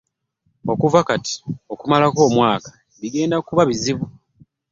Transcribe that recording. Okuva kati okumalako omwaka bigenda kuba bizibu.